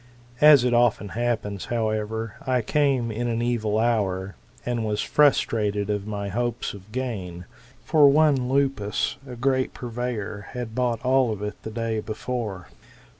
As it often happens, however, I came in an evil hour, and was frustrated of my hopes. of gain. For one Lupus, a great purveyor, had bought all of it the day before.